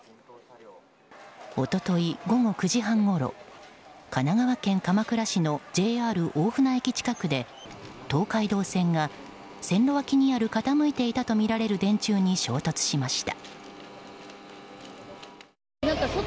一昨日午後９時半ごろ神奈川県鎌倉市のＪＲ大船駅近くで東海道線が線路脇にある傾いていたとみられる電柱に衝突しました。